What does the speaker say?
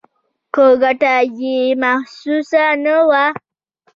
که ګټه یې محسوسه نه وه.